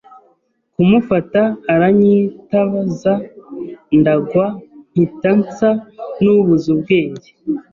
kumufata aranyitaza ndagwa mpita nsa n’ubuze ubwenge